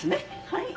はい。